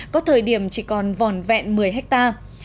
có thời điểm chỉ còn vỏn vẹn một mươi hectare